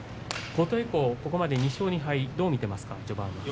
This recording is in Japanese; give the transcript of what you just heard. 琴恵光まで２勝２敗どう見ていますか。